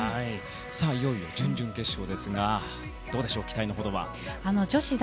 いよいよ準々決勝ですがどうでしょう、期待のほどは。